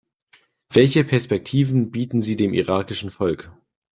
Welche Perspektiven bieten sie dem irakischen Volk?